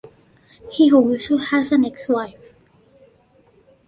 He also has an ex-wife.